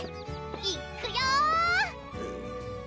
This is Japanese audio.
いっくよ！